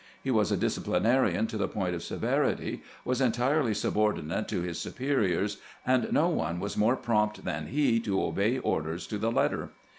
He was a disciplinarian to the point of severity, was entirely subordinate to his su periors, and no one was more prompt than he to obey orders to the letter.